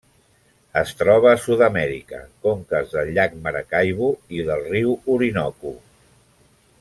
Es troba a Sud-amèrica: conques del llac Maracaibo i del riu Orinoco.